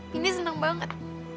mini seneng banget